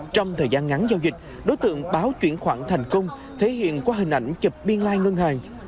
trong thời gian ngắn giao dịch đối tượng báo chuyển khoản thành công thể hiện qua hình ảnh chụp biên lai ngân hàng